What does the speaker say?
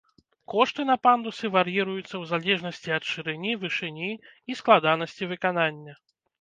Кошты на пандусы вар'іруюцца ў залежнасці ад шырыні, вышыні і складанасці выканання.